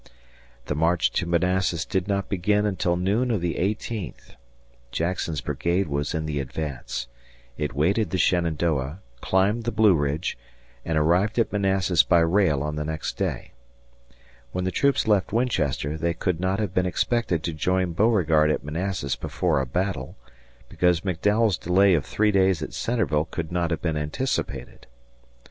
The march to Manassas did not begin until noon of the eighteenth. Jackson's brigade was in the advance. It waded the Shenandoah, climbed the Blue Ridge, and arrived at Manassas by rail on the next day. When the troops left Winchester, they could not have been expected to join Beauregard at Manassas before a battle, because McDowell's delay of three days at Centreville could not have been anticipated.